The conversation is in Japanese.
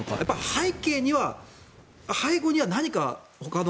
背景には、背後には何か他の。